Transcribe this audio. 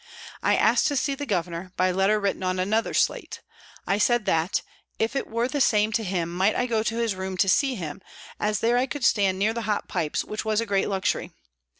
I asked to see the Governor, by letter written on another slate. I said that, if it were the same to him, might I go to his room to see him, as there I could stand near the hot pipes, which was a great luxury.